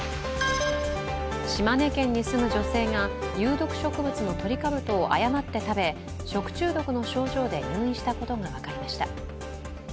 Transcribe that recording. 島根県に住む女性が有毒植物のトリカブトを誤って食べ、食中毒の症状で入院したことが分かりました。